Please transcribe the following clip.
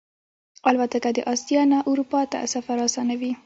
الوتکه د آسیا نه اروپا ته سفر آسانوي.